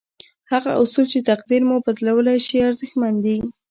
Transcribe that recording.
هغه اصول چې تقدير مو بدلولای شي ارزښتمن دي.